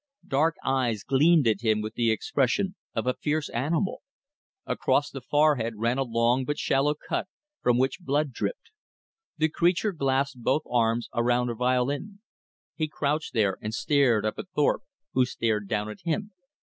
Dark eyes gleamed at him with the expression of a fierce animal. Across the forehead ran a long but shallow cut from which blood dripped. The creature clasped both arms around a violin. He crouched there and stared up at Thorpe, who stared down at him.